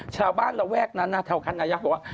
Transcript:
ชาวบ้านระแวกนั้นแถวคัณะยักษ์บอกว่า